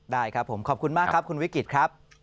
ได้ครับผมขอบคุณมากครับคุณวิกฤตครับ